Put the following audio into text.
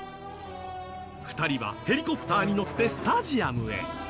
２人はヘリコプターに乗ってスタジアムへ。